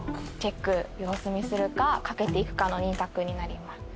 様子見するか賭けていくかの２択になります。